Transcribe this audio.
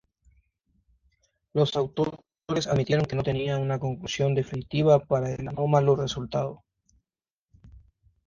Los autores admitieron que no tenían una conclusión definitiva para el anómalo resultado.